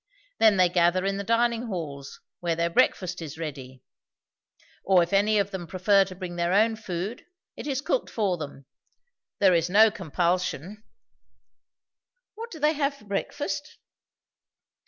Then they gather in the dining halls, where their breakfast is ready; or if any of them prefer to bring their own food, it is cooked for them. There is no compulsion." "What do they have for breakfast?"